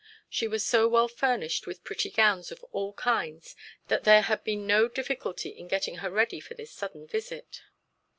She was so well furnished with pretty gowns of all kinds that there had been no difficulty in getting her ready for this sudden visit.